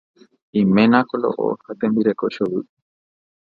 Iména koloʼo ha tembireko chovy.